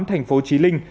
tp chí linh